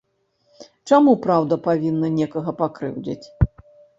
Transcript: Чаму праўда павінна некага пакрыўдзіць?